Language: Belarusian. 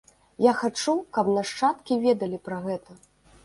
Я хачу, каб нашчадкі ведалі пра гэта.